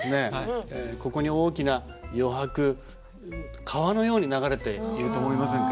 ここに大きな余白川のように流れていると思いませんか？